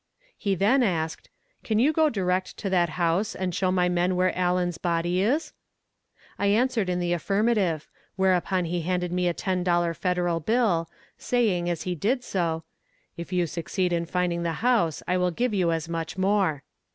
He then asked: "Can you go direct to that house, and show my men where Allen's body is?" I answered in the affirmative whereupon he handed me a ten dollar Federal bill, saying, as he did so: "If you succeed in finding the house, I will give you as much more."